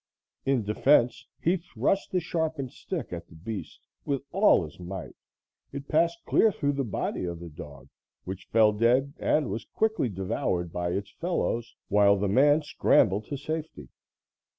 In defense, he thrust the sharpened stick at the beast with all his might. It passed clear through the body of the dog, which fell dead and was quickly devoured by its fellows, while the man scrambled to safety.